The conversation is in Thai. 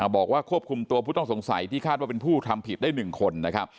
บอกว่าควบคุมตัวผู้ต้องสงสัยที่คาดว่าเป็นผู้ทำผิดได้๑คนนะครับ